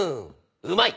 うまい。